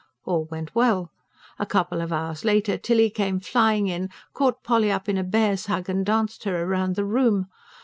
All went well. A couple of hours later Tilly came flying in, caught Polly up in a bear's hug, and danced her round the room.